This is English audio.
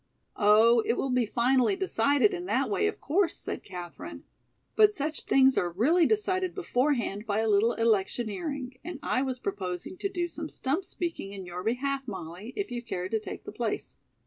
"Oh, it will be finally decided in that way, of course," said Katherine, "but such things are really decided beforehand by a little electioneering, and I was proposing to do some stump speaking in your behalf, Molly, if you cared to take the place."